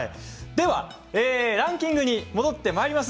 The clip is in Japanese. ランキングに戻ってまいります。